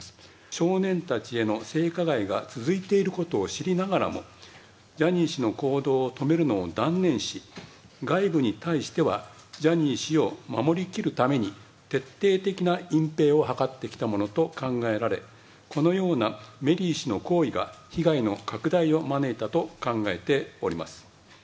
少年たちへの性加害が続いていることを知りながらも、ジャニー氏の行動を止めるのを断念し、外部に対してはジャニー氏を守り切るために、徹底的な隠ぺいを図ってきたものと考えられ、このようなメリー氏の行為が被害の拡大を招いたと考えております。